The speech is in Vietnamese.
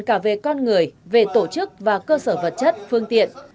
cả về con người về tổ chức và cơ sở vật chất phương tiện